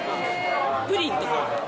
プリンとか。